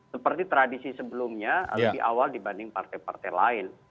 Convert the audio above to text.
seperti tradisi sebelumnya lebih awal dibanding partai partai lain